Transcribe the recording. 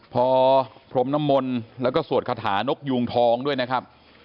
พอพรมน้ำมนต์แล้วก็สวดคาถานกยูงทองด้วยนะครับ